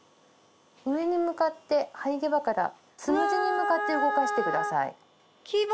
上に向かって生え際からつむじに向かって動かしてください。